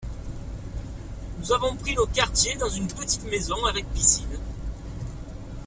Nous avons pris nos quartiers dans une petite maison avec piscine.